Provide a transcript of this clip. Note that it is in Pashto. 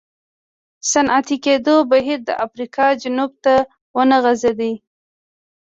صنعتي کېدو بهیر د افریقا جنوب ته ونه غځېد.